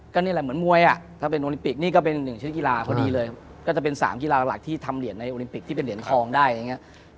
ก็นี่แหละเหมือนมวยอ่ะถ้าเป็นโอลิมปิกนี่ก็เป็นหนึ่งชิ้นกีฬาพอดีเลยครับก็จะเป็น๓กีฬาหลักที่ทำเหรียญในโอลิมปิกที่เป็นเหรียญทองได้อย่างนี้